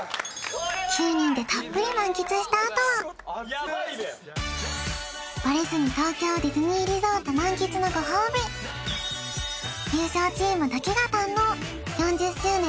たっぷりバレずに東京ディズニーリゾート満喫のご褒美優勝チームだけが堪能４０周年